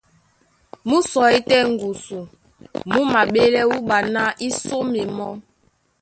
Mú sɔí tɛ́ ŋgusu, mú maɓélɛ́ wúɓa ná í sóme mɔ́.